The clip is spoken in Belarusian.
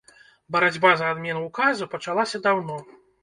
Барацьба за адмену ўказу пачалася даўно.